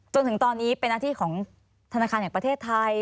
จนถึงตอนนี้เป็นหน้าที่ของธนาคารแห่งประเทศไทย